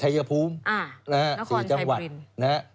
ชายภูมิสี่จังหวัด